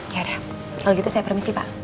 yaudah kalo gitu saya permisi pak